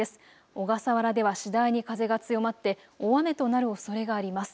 小笠原では次第に風が強まって大雨となるおそれがあります。